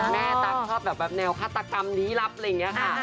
แม่ตามชอบแบบแนวคาตกรรมดีลับเลยงี้ค่ะ